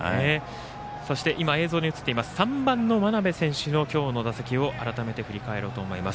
そして、３番の真鍋選手の今日の打席を改めて、振り返ろうと思います。